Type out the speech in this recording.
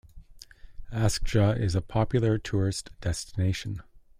Askja is a popular tourist destination.